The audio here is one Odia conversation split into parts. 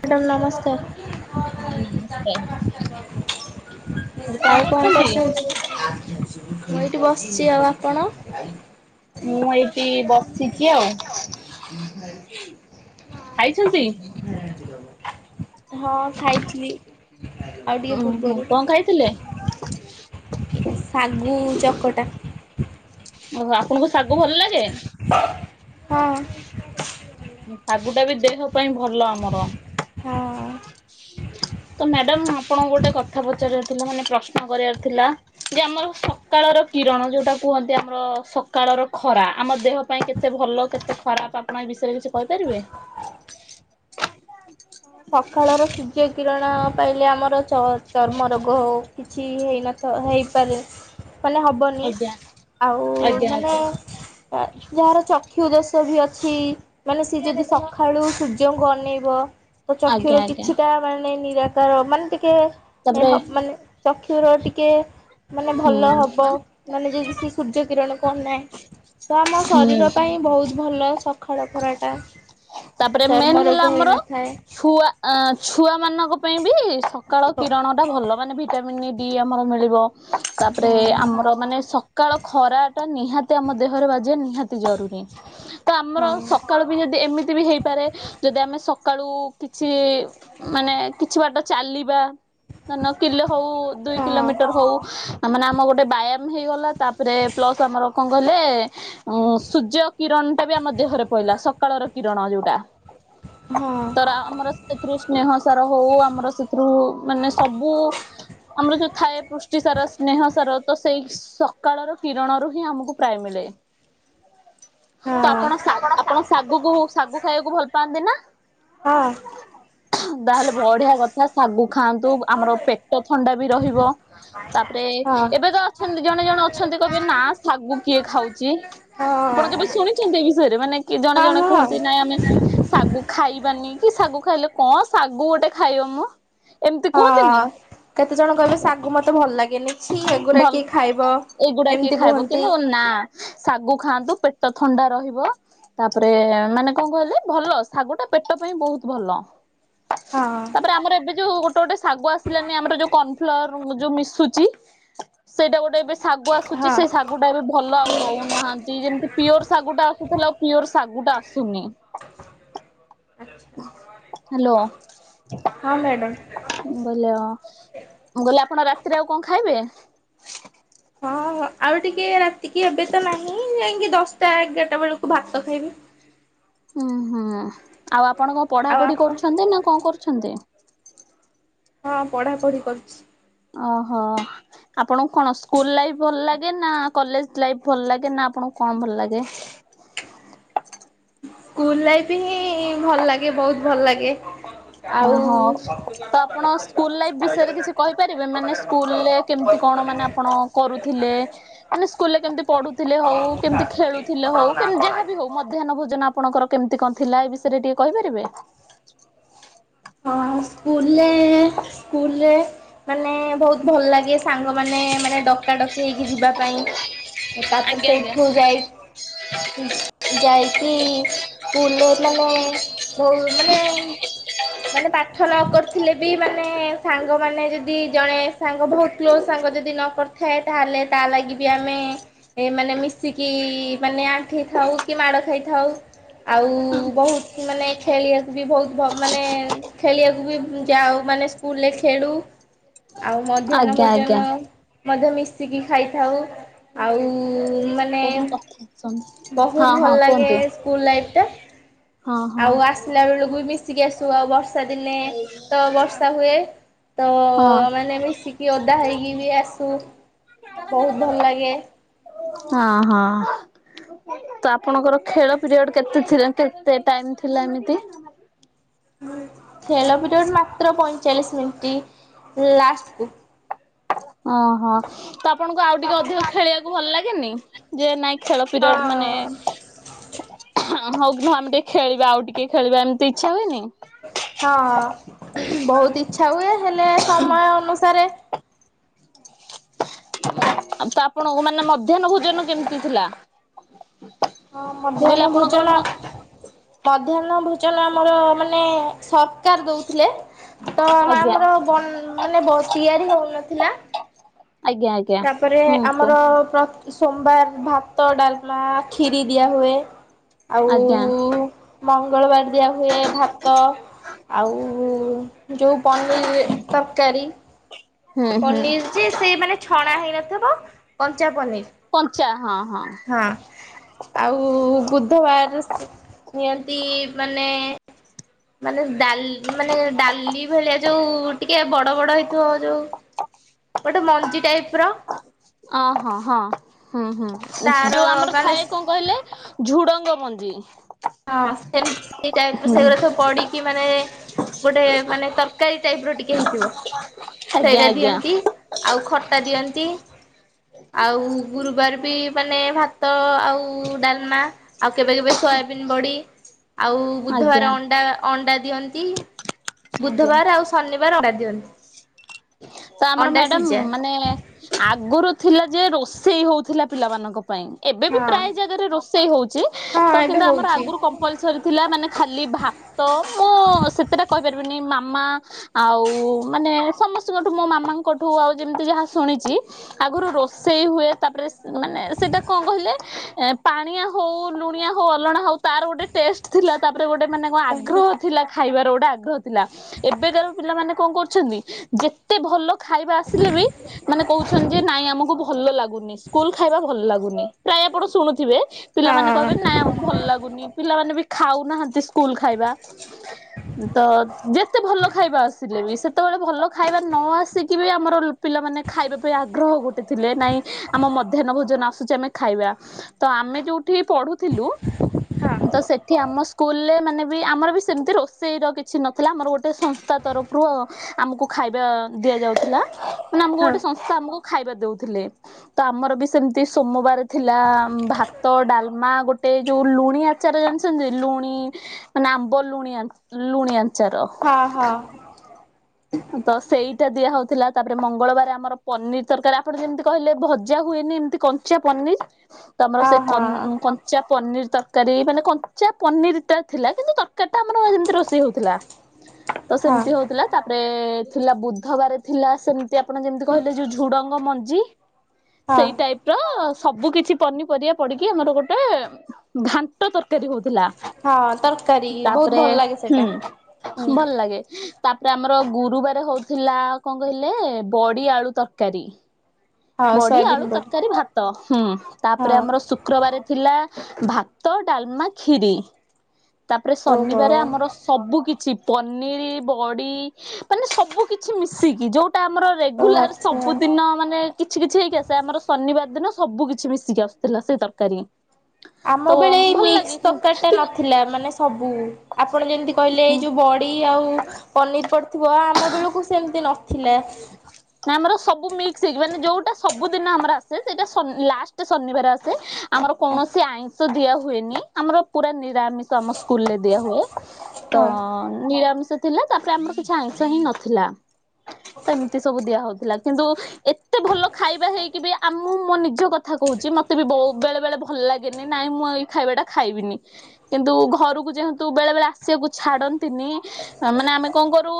ମ୍ୟାଡ଼ାମ ନମସ୍କାର। ହଁ ନମସ୍କାର ଆଉ କଣ କରୁଛନ୍ତି ମୁଁ ଏଇଠି ବସିଛି ଆଉ ଆପଣ? ମୁଁ ଏଇଠି ବସିଛି ଆଉ। ଖାଇଛନ୍ତି। ହଁ ଖାଇଥିଲି ଆଉ ଟିକେ ଓହୋ ପୂର୍ବରୁ। କଣ ଖାଇଥିଲେ? ଶାଗୁ ଚକଟା। ଓହୋ ଆପଣଙ୍କୁ ଶାଗୁ ଭଲ ଲାଗେ। ହଁ। ହୁଁ ଶାଗୁ ଟା ବି ଦେହ ପାଇଁ ଭଲ ଆମର। ହଁ। ତ ମ୍ୟାଡାମ ଆପଣଙ୍କୁ ଗୋଟେ କଥା ପଚାରିବ ଥିଲା ମାନେ ପ୍ରଶ୍ନ କରିବାର ଥିଲା। ଯେ ଆମର ସକାଳର କିରଣ ଯୋଉଟା କୁହନ୍ତି ଆମର ସକାଳର ଖରା ଆମ ଦେହ ପାଇଁ କେତେ କେତେ ଭଲ କେତେ ଖରାପ ଆପଣ ଏ ବିଷୟରେ କିଛି କହିପାରିବେ? [inaudible] ସକାଳର ସୂର୍ଯ୍ୟ କିରଣ ପାଇଲେ ଆମର ଚର୍ମ ରୋଗ ହେଉ। କିଛି ହେଇନଥ ହେଇପାରେ ମାନେ ହବନ। ଆଜ୍ଞା ଆଉ ଆଜ୍ଞା ମାନ ଆଜ୍ଞା ଯାହାର ଚକ୍ଷୁ ଦୋଷ ବି ଅଛି ମାନେ ସି ଯଦି ସକାଳୁ ସୂର୍ଯ୍ୟ ଯୋଉ ଅନନେଇବ ତ ଚକ୍ଷୁ ର ଆଜ୍ଞା ଆଜ୍ଞା କିଛିଟା ମାନେ ନିରାକାର ମାନେ ଟିକିଏ ଏ ତାପରେ ମାନେ ଚକ୍ଷୁର ଟିକିଏ ମାନେ ମାନେ ହୁଁ ଭଲ ହବ ମାନେ ଯଦି ସେ ସୂର୍ଯ୍ୟ କିରଣକୁନାଏ। ତ ଆମ ହୁଁ ଶରୀର ପାଇଁ ବହୁତ ଭଲ ଶ ଖାଳ ଖରାଟା ତାପରେ ମେନ୍ ଚର୍ମ ହେଲା ରୋଗ ଆମର ହୋଇନଥାଏ। ଛୁଆ ଛୁଆ ମାନଙ୍କ ପାଇଁ ବି ସକାଳ ହଁ କିରଣ ଟା ଭଲ ମାନେ [unintelligible] ଡି ଆମର ମିଳିବ। ତାପରେ ଆମର ମାନେ ସକାଳ ଖରା ଟା ନିହାତି ଆମ ଦେହରେ ବାଜିବା ନିହାତି ଜରୁରୀ। ତ ଆମର ହଁ ସକାଳୁ ବି ଯଦି ଏମିତି ବି ହେଇପାରେ ଯଦି ଆମେ ସକାଳୁ କିଛି ମାନେ କିଛି ବାଟ ଚାଲିବା। ଧ କିଲୋ ହଉ ଦୁଇ ହଁ କିଲୋମିଟର ହଉ ମାନେ ଆମ ଗୋଟେ ବ୍ୟାୟାମ ହେଇଗଲା। ତାପରେ ପ୍ଲସ୍ ଆମର କଣ କହିଲେ ଉ ସୂର୍ଯ୍ୟ କିରଣ ଟା ବି ଆମ ଦେହରେ କହିଲା ସକାଳର କିରଣ ଯୋଉଟା। ହଁ। ତର ଆମର ସେଥିରୁ ସ୍ନେହ ସାର ହଉ ଆମର ସେଥିରୁ ମାନେ ସବୁ ଆମର ଯୋଉ ଥାଏ ପୃଷ୍ଟି ସାର ସ୍ନେହ ସାର ତ ସେଇ ସକାଳର କିରଣରୁ ହିଁ ଆମକୁ ପ୍ରାଇ ମିିଲ। [inaudible] ହଁ ତ ଆପଣ ଆପଣ ଶାଗୁକୁ ଶାଗୁ ଖାଇବାକୁ ଭଲ ପାଆନ୍ତି ନା? ହଁ। ତାହେଲେ ବଢିଆ କଥା ଶାଗୁ ଖାଆନ୍ତୁ ଆମର ପେଟ ଥଣ୍ଡା ବି ରହିବ। ତାପରେ ହଁ ଏବେ ତ ଅଛନ୍ତି ଜଣେ ଜଣେ ଅଛନ୍ତି କହିବେ ନା ଶାଗୁ କିଏ ଖାଉଛି? ହଁ ଆପଣ କେବେ ଶୁଣିଛନ୍ତି ଏ ବିଷୟରେ ମାନେ କି ଜଣେ ହଁ ଜଣେ ହଁ। କୁହନ୍ତି ନାଇଁ ନା ଶାଗୁ ଖାଇବାନି କି ଶାଗୁ ଖାଇଲେ କଣ ଶାଗୁ ଗୋଟେ ଖାଇବ ମ। ଏମିତି କୁହନ୍ତିନି ହଁ କେତେ ଜଣ କହିବେ ଶାଗୁ ମତେ ଭଲ ଲାଗେନି ଛି ଏଗୁୁରା କି ଖାଇବ। ଏଇଗୁଡାକ ଏମିତି ଖାଇବ କୁହନ୍ତି କିନ୍ତୁ ନା। ଶାଗୁ ଖାଆନ୍ତୁ ପେଟ ଥଣ୍ଡା ରହିବ। ତାପରେ ମାନେ କଣ କହିଲେ ଭଲ ଶାଗ ଟା ପେଟ ପାଇଁ ବହୁତ ଭଲ। ହଁ ତାପରେ ଆମର ଏବେ ଯୋଉ ଗୋଟେ ଗୋଟେ ଶାଗ ଆସିଲାନି ଆମର ଯୋଉ କର୍ଣଫ୍ଲାର ଯୋଉ ମିଶୁଛି ସେଇଟା ଗୋଟେ ଶାଗୁ ଆସୁଛି ହଁ। ସେ ଶାଗୁଟା ଏବେ ଭଲ ଆଉ ଦେଉନାହାଁନ୍ତି ଯେମିତି ପିଓର ଶାଗୁଟା ଆସୁଥିଲାଉ। ପିଓର ଶାଗୁ ଟା ଆସୁନି। ହଁ ମ୍ୟାଡ। ବଲେ ଗଲେ ଆପଣ ରାତିରେ ଆଉ କଣ ଖାଇବେ? ହଁ ହ ଆଉ ଟିକେ ରାତିକି ଏବେ ତ ନାହିଁ ଯାଇକି ଦଶଟା ଏଗାରଟା ବେଳକୁ ଭାତ ଖାଇବି। ଉୁଁ ହୁଁ ଆଉ ଆପଣ କଣ ଆଉ ପଢାପଢି ଆପଣ କରୁଛନ୍ତି ନା କଣ କରୁଛନ୍ତି? ହଁ ପଢା ପଢି କରୁଛି। ଓହୋ। ଆପଣଙ୍କୁ କଣ ସ୍କୁଲ୍ ଲାଇଫ୍ ଭଲ ଲାଗେ ନା କଲେଜ୍ ଲାଇଫ୍ ଭଲ ଲାଗେ ନା ଆପଣଙ୍କୁ କଣ ଭଲ ଲାଗେ? ସ୍କୁଲ୍ ଲାଇଫ୍ ହିଁ ଭଲ ଲାଗେ ବୋହୁତ୍ ଭଲ ଲାଗେ। ଆଉ ଓହୋ। ତ ଆପଣ ସ୍କୁଲ୍ ଲାଇଫ୍ ବିଷୟରେ କିଛି କହିପାରିବେ? ମାନେ ସ୍କୁଲରେ କେମିତି କଣ ମାନେ ଆପଣ କରୁଥିଲେ? ମାନେ ସ୍କୁଲ୍ ରେ କେମିତି ପଢୁଥିଲେ ହୋଉ, କେମିତି ଖେଳୁଥିଲେ ହୋଉ କେମତି ଯାହାବି ହୋଉ ମଧ୍ୟାହ୍ନ ଭୋଜନ ଆପଣଙ୍କର କେମିତି କଣ ଥିଲା ଏ ବିଷୟରେ ଟିକେ କହିପାରିବେ? ହଁ ସ୍କୁଲ୍ ରେ, ସ୍କୁଲ୍ ରେ ମାନେ ବୋହୁତ୍ ଭଲ ଲାଗେ ସାଙ୍ଗ ମାନେ ମାନେ ଡକା ଡକି ହେଇକି ଯିବା ପାଇଁ। ତା ପରେ ଆଜ୍ଞା ଆଜ୍ଞା। ସେଇଠୁ ଯାଇ କି ଯାଇକି ସ୍କୁଲ୍ ରେ ମାନେ ବହୁ ମାନେ ମାନେ ପାଠ ନ କରିଥିଲେ ବି ମାନେ ସାଙ୍ଗମାନେ ଯଦି ଜଣେ ସାଙ୍ଗ ବୋହୁତ୍ କ୍ଲୋଜ୍ ସାଙ୍ଗ ଯଦି ନ କରିଥାଏ ତାହେଲେ ତା ଲାଗି ବି ଆମେ ଏ ମାନେ ମିଶିକି ମାନେ ଆଣ୍ଠେଇ ଥାଉ କି ମାଡ ଖାଇଥାଉ। ଆଉ ବୋହୁତ୍ ମାନେ ଖେଳିବାକୁ ବି ବୋହୁତ୍ ମାନେ ଖେଳିବାକୁ ବି ଯାଉ ମାନେ ସ୍କୁଲ୍ ରେ ଖେଳୁ। ଆଉ ମଧ୍ୟାହ୍ନ ଆଜ୍ଞା ଆଜ୍ଞା। ଭୋଜନ ମଧ୍ୟ ମିଶିକି ଖାଇଥାଉ। ଆଉ ଉ ମାନେ ଆସ ବହୁତ୍ ଭଲ୍ ଲାଗେ ସ୍କୁଲ୍ ଲାଇଫ୍ ଟା। ହଁ ହଁ ଆଉ ଆସିଲା ବେଳକୁ ବି ମିଶିକି ଆସୁ, ଆଉ ବର୍ଷା ଦିନେ। ତ ବର୍ଷା ହୁଏ। ତ ହଁ ମାନେ ମିଶିକି ଓଦା ହେଇକି ବି ଆସୁ ବହୁତ୍ ଭଲ୍ ଲାଗେ। ହଁ, ହଁ। ତ ଆପଣଙ୍କର ଖେଳ ପିରିୟଡ କେତେ ଥିଲା କେତେ ଟାଇମ୍ ଥିଲା ଏମିତି? ଖେଳ ପିରିୟଡ଼ ମାତ୍ର ପଇଁଚାଳିଶ ମିନିଟ୍ ଲାଷ୍ଟକୁ। ଓହୋ। ତ ଆପଣଙ୍କୁ ଆଉ ଟିକେ ଅଧିକ ଖେଳିବାକୁ ଭଲ ଲାଗେନି? ଯେ ନାଇଁ ଖେଳ ହଁ ପିରିୟଡ୍ ମାନେ ହଁ ହଉ ହଁ ଆମେ ଟିକେ ଖେଳିବା ଆଉ ଟିକେ ଖେଳିବା ଏମିତି ଇଚ୍ଛା ହୁଏନି? ହଁ ହଁ, ବହୁତ୍ ଇଚ୍ଛା ହୁଏ ହେଲେ ସମୟ ଅନୁସାରେ ତ ଆପଣଙ୍କୁ ମାନେ ମଧ୍ୟାହ୍ନ ଭୋଜନ କେମିତି ଥିଲା? ହଁ ମୁଁ କହିଲି ମଧ୍ୟାହ୍ନ ଆପଣଙ୍କର ଭୋଜନ ମ ମଧ୍ୟାହ୍ନ ଭୋଜନ ଆମର ମାନେ ସରକାର୍ ଦଉଥିଲେ। ତ ଆଜ୍ଞା ଆମର ବନ୍ ମାନେ ବ ତିଆରି ହଉନଥିଲା। ଆଜ୍ଞା ଆଜ୍ଞା ତାପରେ ହୁଁ କୁହ ଆମର ପ୍ର ସୋମବାର୍ ଭାତ, ଡାଲ୍ମା, ଖିରି ଦିଆହୁଏ। ଆଉ ଆଜ୍ଞା ମଙ୍ଗଳବାର୍ ଦିଆ ହୁଏ ଭାତ ଆଉ ଯୋଉ ପନିର୍ ତରକାରୀ। ହୁଁ ହୁଁ ପନିର୍ ଯେ ସେ ମାନେ ଛଣା ହେଇନଥବ କଞ୍ଚା ପନିର୍। କଞ୍ଚା ହଁ ହଁ। ଆଉ ବୁଧବାର୍ ଦିଅନ୍ତି ମାନେ ମାନେ ଡାଲ୍ ମାନେ ଡାଲି ଭଳିଆ ଯୋଉ ଟିକେ ବଡ ବଡ ହେଇଥିବ ଯୋଉ ଗୋଟେ ମଞ୍ଜି ଟାଇପ୍ ର ଅ- ହଁ -ହଁ -ହୁଁ -ହୁଁ ତାର ଯଉ ଆମର ଥାଏ ମାନେ କଣ କହିଲେ ଝୁଡ଼ଙ୍ଗ ମଞ୍ଜି। ହଁ ସେ ସେଇ ଟାଇପ୍ ର ସେଗୁଡା ସବୁ ପଡିକି ମାନେ ଗୋଟେ ମାନେ ତରକାରୀ ଟାଇପ୍ ର ଟିକେ ହେଇଥିବ ଆଜ୍ଞା ସେଇଟା ଆଜ୍ଞା ଦିଅନ୍ତି ଆଉ ଖଟା ଦିଅନ୍ତି। ଆଉ ଗୁରୁବାରେ ବି ମାନେ ଭାତ ଆଉ ଡାଲମା। ଆଉ କେବେ କେବେ ଶୋୟା ବିନ୍ ବଡି ଆଉ ଆଜ୍ଞା ବୁଧବାର ଅଣ୍ଡା ଅଣ୍ଡା ଦିଅନ୍ତି। ଆଜ୍ଞା ବୁଧବାର ଆଉ ଶନିବାର ଅଣ୍ଡା ଦିଅନ୍ତି। ତ ଆମର ଅଣ୍ଡା ମ୍ୟାଡାମ୍ ସିଝା ମାନେ ଆଗରୁ ଥିଲା ଯେ ରୋଷେଇ ହଉଥିଲା ପିଲାମାନଙ୍କ ପାଇଁ। ଏବେ ବି ହଁ। ପ୍ରାୟ ଜାଗାରେ ରୋଷେଇ ହଉଚି ହଁ ତ ଏବେ କିନ୍ତୁ ଆମର ହଉଛି ଆଗୁରୁ କ [unintelligible] ଥିଲା ମାନେ ଖାଲି ଭାତ ମୁଁ ସେତେଟା କହିପାରିବିନି ମାମା ଆଉ ମାନେ ସମସ୍ତଙ୍କ ଠୁ ମୋ ମାମାଙ୍କଠୁ ଆଉ ଯେମିତି ଯାହା ଶୁଣିଚି ଆଗୁରୁ ରୋଷେଇ ହୁଏ ତାପରେ ମାନେ ସେଇଟା କଣ କହିଲେ ପାଣିଆ ହଉ ଲୁଣିଆ ହଉ ଅଲଣା ହଉ ତାର ଗୋଟେ ଟେଷ୍ଟ୍। ଥିଲା ତାପରେ ଗୋଟେ ମାନେ କଣ ତାହେଲେ ଆଗ୍ରହ ଥିଲା ଖାଇବାର ଗୋଟେ ଆଗ୍ରହ ଥିଲା ଏବେ କାର ପିଲାମାନେ କଣ କରୁଚନ୍ତି ଯେତେ ଭଲ ଖାଇବା ଆସିଲେ ବି ମାନେ କହୁଛନ୍ତି ଯେ ନାଇଁ ଆମକୁ ଭଲ ଲାଗୁନି। ସ୍କୁଲ ଖାଇବା ଭଲ୍ ଲାଗୁନି ପ୍ରାୟ ଆପଣ ଶୁଣୁଥିବେ। ହଁ ପିଲାମାନେ କହିବେ ନାଇଁ ଆମକୁ ଭଲ ଲାଗୁନି ପିଲାମାନେ ବି ଖାଉନାହାନ୍ତି ସ୍କୁଲ ଖାଇବା। ତ ଯେତେ ଭଲ ଖାଇବା ଆସିଲେ ବି ସେତେବେଳେ ଭଲ ଖାଇବା ନ ଆସିକି ବି ଆମର ପିଲାମାନେ ଖାଇବା ପାଇଁ ଆଗ୍ରହ ଗୋଟେ ଥିଲେ ନାଇଁ ଆମ ମଧ୍ୟାହ୍ନ ଭୋଜନ ଆସୁଚି ଆମେ ଖାଇବା, ତ ଆମେ ଯଉଠି ପଢୁଥିଲୁ ହଁ ତ ସେଠି ଆମ ସ୍କୁଲରେ ମାନେ ବି ଆମର ବି ସେମିତି ରୋଷେଇ ର କିଛି ନଥିଲା ଆମର ଗୋଟେ ସଂସ୍ଥା ତରଫରୁ ଆମକୁ ଖାଇବା ଦିଆ ଯାଉଥିଲା ମାନେ ଆମକୁ ହଁ। ଗୋଟେ ସଂ ତ ଆମକୁ ଖାଇବା ଦଉଥିଲେ। ତ ଆମର ବି ସେମିତି ସୋମବାର ଥିଲା ଭାତ ଡାଲମା ଗୋଟେ ଯୋଉ ଲୁଣିଆ ଆଚାର ଜାଣିଛନ୍ତି ଲୁଣି ମାନେ ଆମ୍ବ ଲୁଣି ଲୁଣି ଆଚାର। ହଁ ହଁ। ତ ସେଇଟା ଦିଆ ହଉଥିଲା ତାପରେ ମଙ୍ଗଳବାର ଆମର ପନିର ତରକାରୀ ଆପଣ ଯେମିତି କହିଲେ ଭଜା ହୁଏନି ଏମିତି [unintelligible] [inaudible] ତମର ସେ କ ହଁ କଞ୍ଚା ପନିର ତରକାରୀ ମାନେ କଞ୍ଚା ପନିରଟ ଥିଲା କିନ୍ତୁ ତରକାରୀ ଟା ଆମର ଯେମିତି ରୋଷେଇ ହଉଥିଲା। [inaudible] ତ ସେମିତି ହଉଥିଲା ତାପରେ ଥିଲା ବୁଧବାର ଥିଲା ସେମ ଆପ ଯେମିତି କହିଲେ ଯ ଝୁ ମଞ୍ ହଁ। ସେଇଟା ଟପ ର ସବୁ କିଛି ପନିପରିବା ପଡିକି ଆମର ଗୋଟେ ଘାଣ୍ଟ ତରକାରୀ ହଉଥିଲା। ହଁ ତରକାରୀ ବହୁତ ତାପରେ ଭଲ ଲାଗେ ହୁଁ ସେଇଟା ହୁଁ ଭଲ ଲାଗେ। ତାପରେ ଆମର ଗୁରୁବାର ହଉଥିଲା କଣ କହିଲେ ବଡି ଆଳୁ ତରକାରୀ। ହଁ ବଡି ଆଳୁ ସୋୟାବିନ୍ ବଡି। ତରକାରୀ ଭାତ ହୁଁ ତାପରେ ହଁ ଆମର ସୁ ଶୁକ୍ରବାର ଥିଲା ଭାତ ଡାଲମା ଖିରୀ ତାପରେ ଓହୋ ଶନିବାର ଆମର ସବୁ କିଛି ପନିର ବଡି ମାନେ ସବୁ କିଛି ମିଶିକି ଯୋଉଟା ଆମର ଓ ରେଗୁଲାର ଆଚ୍ଛା। ସବୁଦିନ ମାନେ କିଛି କିଛି ହେଇକି ଆସ ଆମର ଶନିବାର ଦିନ ସବୁ କିଛି ମିଶିକି ଆସୁଥିଲା ସେଇ ତରକାରୀ। ଆମ ତ ବେଳେ ଏଇ ଭଲ ମିକ୍ସ ଲାଗେ ତରକାରୀ ଟା କିନ୍ତୁ ନଥିଲା। ମାନେ ସବୁ ଆପଣ ଯେମିତି କହିଲେ ଏଇ ଯୋଉ ବଡି ଆଉ ପନିର ପଡିଥିବ। ଆମ ବେଳକୁ ସେମିତି ନଥିଲା। ନା ଆମର ସବୁ ମିକ୍ସ ହେଇକି। ମାନେ ଯୋଉଟା ସବୁଦିନ ଆମର ଆସେ ସେଇଟା ଲାଷ୍ଟ ଶନିବାର ଆସେ। ଆମର ହଁ। କୌଣସି ଆଇଁଷ ଦିଆ ହୁଏନି। ଆମର ପୁରା ନିରାମିଷ ସ ଆମ ସ୍କୁଲରେ ଦିଆ ହୁଏ। ତ ହଁ ନିରାମିଷ ଥିଲା ତାପରେ ଆମର କିଛି ଆଇଁଷ ହିଁ ନଥିଲା। ସେମିତି ସବୁ ଦିଆ ହଉଥିଲା କିନ୍ତୁ ଏତେ ଭଲ ଖାଇବା ହେଇକି ବି ଆମ ମୁଁ ମୋ ନିଜ କଥା ଥା କହୁଚି ମତେ ବି ବଉ ବେଳେ ବେଳେ ଭଲ ଲାଗେନି ନାଇଁ ମୁଁ ଏଇ ଖାଇବା ଟା ଖାଇବିନି। କିନ୍ତୁ ଘରକୁ ଯେହେତୁ ବେଳେ ବେଳେ ଆସିବାକୁ ଛାଡନ୍ତିନି ଆ ମାନେ ଆମେ କଣ କରୁ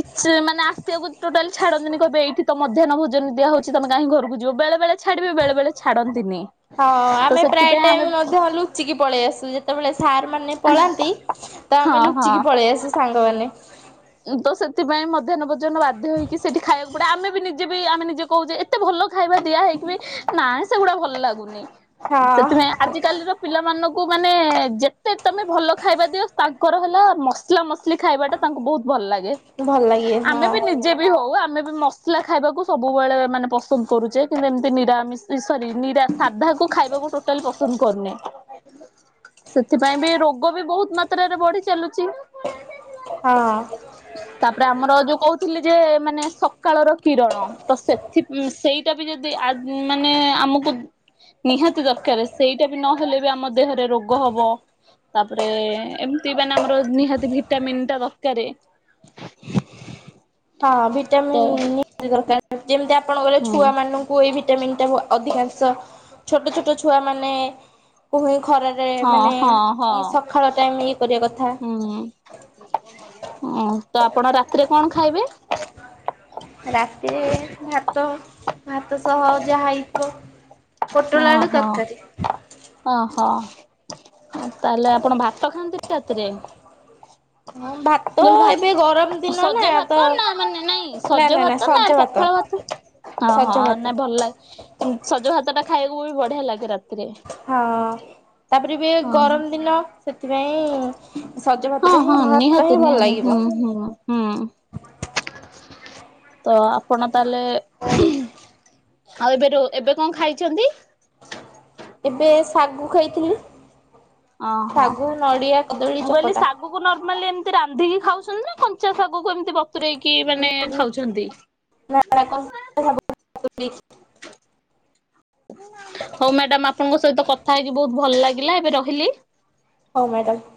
କିଛି ମାନେ ଆସିବାକୁ ଟୋଟାଲି ଛାଡନ୍ତିନି। କହବେ ଏଇଟି ତ ମଧ୍ୟାନ୍ନ ଭୋଜନ ଦିଆ ହଉଛି ତମେ କାହିଁ ଘରକୁ ଯିବ? ବେଳେ ବେଳେ ଛାଡିବେ ବେଳେବେଳେ ଛାଡ଼ନ୍ତିନି। ହଁ ଆମେ ପ୍ରାୟ ଟାଇମ ମଧ୍ୟ ଲୁଚିକି ପଳେଇ ଆସୁ। ଯେତେବେଳେ ସାର୍ ମାନେ ପଳାନ୍ତି ତ ହଁ ଆମେ ଲୁଚିକି ହଁ ପଳେଇ ଆସୁ ସାଙ୍ଗମାନେ। ତ ସେଥିପାଇଁ ମଧ୍ୟାହ୍ନ ଭୋଜନ ବାଧ୍ୟ ହେଇକି ସେଠି ଖାଇବାକୁ ପଡେ। ଆମେ ବି ନିଜେ ବି ଆମେ ନିଜେ କହୁଚେ ତେ ଭଲ ଖାଇବା ଦିଆ ହେଇକି ବି ନାଇ ସେଗୁଡା ଭଲ ଲାଗୁନି। ସେଥିପାଇଁ ହଁ ଆଜିକାଲିର ପିଲାମାନଙ୍କୁ ମାନେ ଯେତେ ତମେ ଭଲ ଖାଇବା ଦିଅ ତାଙ୍କର ହେଲା ମସ୍ ସଲା ମସଲି ଖାଇବାଟା ତାଙ୍କୁ ବହୁତ ଭଲ ଲାଗେ। ଭଲ ଲାଗେ ହଁ ଆମେ ବି ନିଜେ ବି ହଉ ଆମେ ବି ମ ସଲା ଖାଇବାକୁ ସବୁବେଳେ ମାନେ ପସନ୍ଦ କରୁଚେ କିନ୍ତୁ ଏମିତି ନିରାମିଷ ସରି ନିରା ସାଧା କୁ ଖାଇବାକୁ ଟୋଟାଲ ପସନ୍ଦ କରୁନି। ସେଥିପାଇଁ ବି ରୋଗ ବି ବହୁତ ମାତ୍ରାରେ ବଢି ଚାଲୁଚି। ହଁ। ତାପରେ ଆମର ଯୋଉ କହୁଥିଲି ଯେ ମାନେ ସକାଳର କିରଣ ତ ସେଥି ଉଁ ସେଇଟା ବି ଯଦି ଆ ମାନେ ଆମକୁ ନିହାତି ଦରକାର। ସେଇଟା ବି ନହେଲେ ବି ଆମ ଦେହରେ ରୋଗ ହବ। ତାପରେ ଏମିତି ମାନେ ଆମର ନିହାତି ଭିଟାମିନ୍ ଟା ଦ ରକାରେ। ହଁ ଭିଟାମିନ୍ ନିହାତି ଦରକାର ଯେମିତି ଆପଣଙ୍କର ହୁଁ ଛୁଆ ମାନଙ୍କୁ କୁ ଏଇ ଭିଟାମିନ୍ଟା ଅଧିକାଂଶ। ଛୋଟ ଛୋଟ ଛୁଆମାନେ କୁଇ ଖରା ରେ ହଁ ମାନେ ହଁ ହଁ। ଇ ସକାଳ ଟାଇମ ଇଏ କରିବା କଥା। ହୁଁ ହଁ ତ ଆପଣ ରାତିରେ କଣ ଖାଇବେ? ରାତିରେ ଭାତ। ଭାତ ସହ ଆଉ ଯାହା ହେଇଥିବ। ପୋଟଳ ଆଳୁ ତରକାରି। ଓ ହୋ। ଆଉ ତାହେଲେ ଆପଣ ଭାତ ଖାଆନ୍ତି କି ରାତିରେ? ହଁ ମୁଁ ଭାତ କହିଲି ଭାତ୍ ଏବେ ଗରମ ଦିନ ନା ସଜ ତ ଭାତ ନା ମାନେ ନାଇଁ ନା ସଜ ଭାତ ନା ସଜ ଭାତ ପଖାଳ ଭାତ ହଁ ସଜ ହଁ ଭାତ ନା ଭଲ ଲାଗେ। ଏମତି ସଜ ଭାତ ଟା ଖାଇବାକୁ ବି ବଢିଆ ଲାଗେ ରାତି ହଁ ତାପରେ ବି ଓହୋ ଗରମ ଦିନ ସେଥିପାଇଁ ସଜ ଭାତ ହଁ ସେଟା ହଁ ହିଁ ଭାତ ନିହାତି ହିଁ ଭଲ ନିହାତି ଲାଗିବ। ହୁଁ ହୁଁ। ତ ଆପଣ ତାହେଲେ ଆଉ ଏବେ ରୁ ଏବେ କଣ ଖାଇଚନ୍ତି? ଏବେ ଶାଗୁ ଖାଇଥିଲି। ଶାଗୁ ନଡ଼ିଆ କଦଳୀ ଚକଟା। ଗୁ କୁ ନର୍ମାଲି ଏମତି ରାନ୍ଧିକି ଖାଉଚ ନ୍ତି ନା କଞ୍ଚା ଶାଗକୁ ଏମିତି ବତୁରେଇକି ମାନେ ଖାଉଚନ୍ତି? ନା ନା [unintelligible] ହଉ ମ୍ୟାଡାମ ଆପଣଙ୍କ ସହିତ କଥା ହେଇକି ବହୁତ ଭଲ ଲାଗିଲା ଏବେ ରହିଲି। ହଉ ମ୍ୟାଡ଼ାମ।